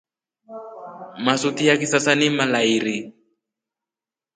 Masuti ya kisasa ni malairii.